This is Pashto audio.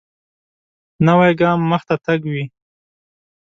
نوی ګام مخته تګ وي